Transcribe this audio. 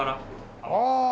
ああ。